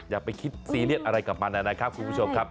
อย่าไปคิดซีเรียสอะไรกับมันนะครับคุณผู้ชมครับ